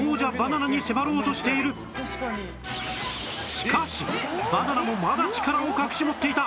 しかしバナナもまだ力を隠し持っていた